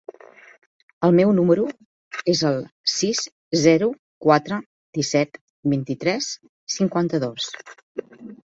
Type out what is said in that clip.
El meu número es el sis, zero, quatre, disset, vint-i-tres, cinquanta-dos.